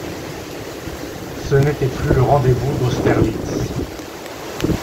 Ce n’était plus le rendez-vous d’Austerlitz.